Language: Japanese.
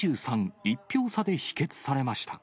１票差で否決されました。